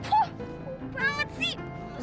bumpang banget sih